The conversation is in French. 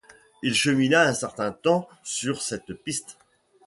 Il chemina un certain temps sur cette piste.